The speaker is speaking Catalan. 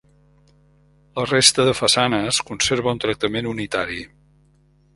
La resta de façanes conserva un tractament unitari.